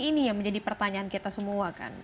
ini yang menjadi pertanyaan kita semua kan